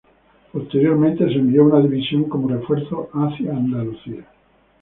Posteriormente, se envió una división como refuerzo hacia Andalucía.